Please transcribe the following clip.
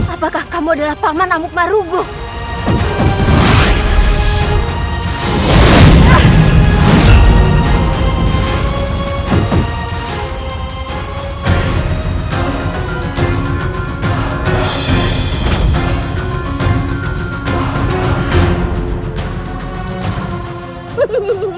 apakah kamu adalah paman amukmarugung